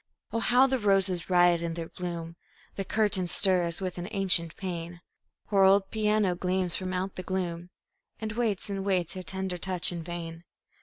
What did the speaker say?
Oh, how the roses riot in their bloom! The curtains stir as with an ancient pain; Her old piano gleams from out the gloom And waits and waits her tender touch in vain.